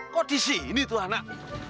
kok disini tuh anak